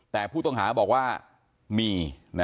แต่ผู้ต้องหาบอกว่ามี